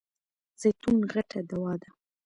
زیتون غټه دوا ده .